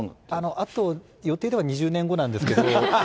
あと、予定では２０年後なんですけど。